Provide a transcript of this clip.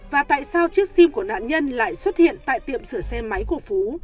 và tại sao chiếc sim của nạn nhân lại xuất hiện tại tiệm sửa xe máy của phú